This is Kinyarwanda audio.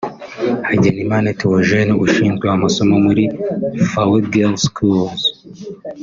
Hagenimana Théogène ushinzwe amasomo muri Fawe Girls’ School